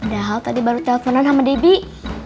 padahal tadi baru teleponan sama debbie